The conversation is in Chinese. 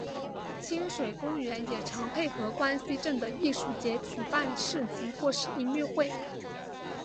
亲水公园也常配合关西镇的艺术节举办市集或是音乐会。